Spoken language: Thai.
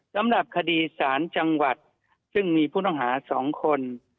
สำหรับคดีสารจังหวัดซึ่งมีผู้ต้องหา๒คน